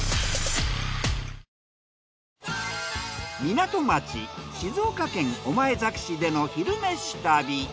港町静岡県御前崎市での「昼めし旅」。